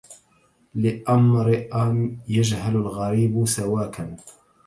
لامرئ يجهل الغريب سواكا